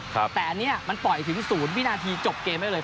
แต่อันเนี่ยมันปล่อยถึงศูนย์วินาทีจบเกมให้เลย